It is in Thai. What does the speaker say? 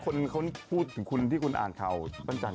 คุณพูดว่าไงบ้าง